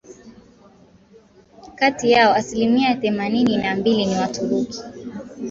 Kati yao asilimia themanini na mbili ni Waturuki